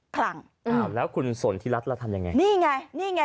คลังอ้าวแล้วคุณสนทิรัฐเราทำยังไงนี่ไงนี่ไง